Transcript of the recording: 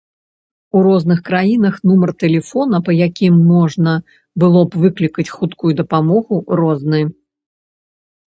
У розных краінах нумар тэлефона, па якім можна было б выклікаць хуткую дапамогу, розны.